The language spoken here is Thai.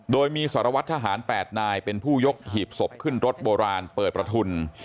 โดยมีสารวัตรทหาร๘นายเป็นผู้ยกหีบศพขึ้นรถโบราณเปิดประทุน